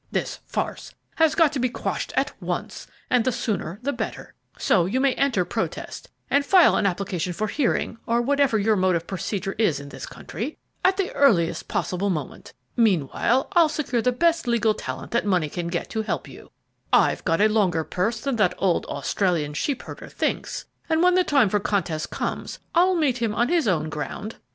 This farce has got to be quashed at once, and the sooner the better, so you may enter protest and file an application for hearing, or whatever your mode of procedure is in this country, at the earliest possible moment. Meanwhile, I'll secure the best legal talent that money can get to help you. I've a longer purse than that old Australian sheep herder thinks, and when the time for contest comes, I'll meet him on his own ground."